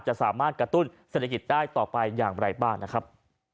จะสามารถกระตุ้นเศรษฐกิจได้ต่อไปอย่างไรบ้างนะครับ